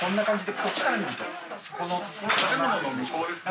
この建物の向こうですか？